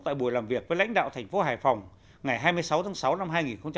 tại buổi làm việc với lãnh đạo thành phố hải phòng ngày hai mươi sáu tháng sáu năm hai nghìn hai mươi